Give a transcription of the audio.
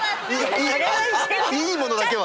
いやいいものだけは。